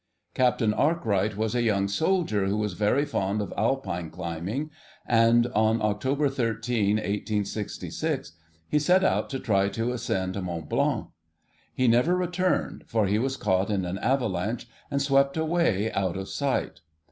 Captain Arkwright was a young soldier who was very fond of Alpine climbing; and on October 13, 1866, he set out to try to ascend Mont Blanc. He never returned, for he was caught in an avalanche, and swept away out of sight.